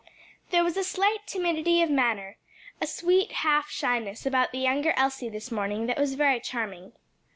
There was a slight timidity of manner, a sweet half shyness about the younger Elsie this morning that was very charming.